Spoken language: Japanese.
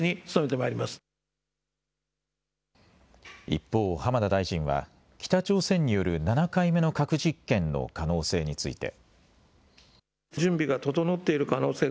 一方、浜田大臣は北朝鮮による７回目の核実験の可能性について。